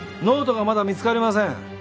ノートがまだ見つかりません。